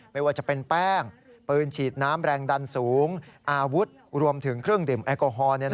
ไม่ว่าจะเป็นแป้งปืนฉีดน้ำแรงดันสูงอาวุธรวมถึงเครื่องดื่มแอลกอฮอล์